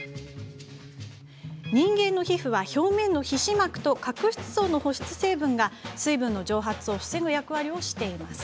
人間の皮膚は表面の皮脂膜と角質層の保湿成分が水分の蒸発を防ぐ役割をしています。